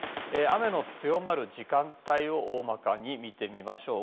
雨の強まる時間帯を大まかに見てみましょう。